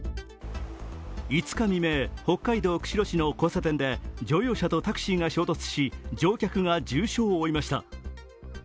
５日未明、北海道釧路市の交差点で乗用車とタクシーが衝突し、乗客が重傷を負いました。